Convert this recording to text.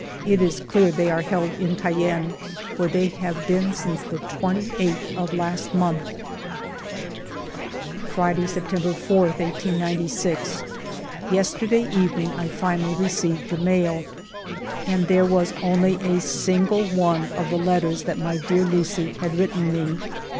It is clear they are held in Cayenne, where they have been since the 28th of last month. Friday, September ^, 1896. Yesterday evening I finally received the mail, and there was only a single one of the letters that my dear Lucie had written me.